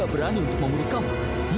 aku tak berani untuk membunuh kamu